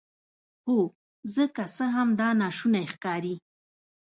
هو زه که څه هم دا ناشونی ښکاري